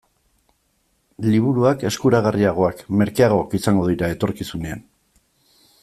Liburuak eskuragarriagoak, merkeagoak, izango dira etorkizunean.